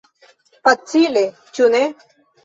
Facile, ĉu ne?